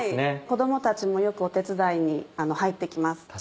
子供たちもよくお手伝いに入って来ます。